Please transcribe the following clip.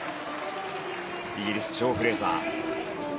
イギリス、ジョー・フレーザー。